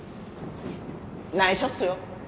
内緒っすよ。